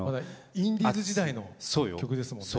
インディーズ時代の曲ですもんね。